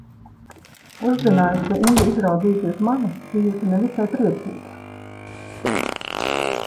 Uzzinājusi, ka Inga izraudzījusies mani, bijusi ne visai priecīga.